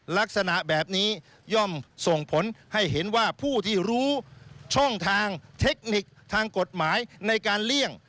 ลักษณะแบบนี้ย่อมส่งผลให้เห็นว่าผู้ที่รู้ช่องทางเทคนิคทางกฎหมายในการเลี่ยง